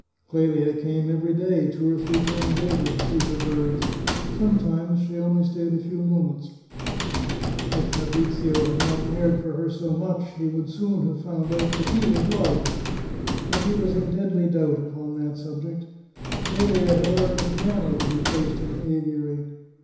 Clelia came every day, two or three times over, to see her birds. Sometimes she only stayed a few moments. If 340 The Chartreuse of Parma Fabrido had not cared for her so much he would soon have found out that he was loved. But he was in deadly doubt upon that subject. Clelia had ordered a piano to be placed in the aviary.